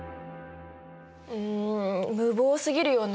うん無謀すぎるよね。